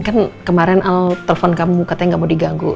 kan kemarin al telpon kamu katanya nggak mau diganggu